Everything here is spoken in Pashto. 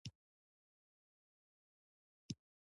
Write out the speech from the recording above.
خاوره د افغانستان د طبیعت برخه ده.